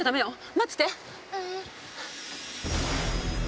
待ってて！